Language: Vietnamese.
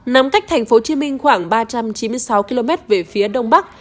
nằm cách thành phố hồ chí minh khoảng ba trăm chín mươi sáu km về phía đông bắc